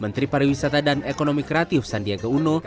menteri pariwisata dan ekonomi kreatif sandiaga uno